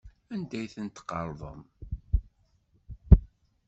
Anda ay ten-tqerḍem?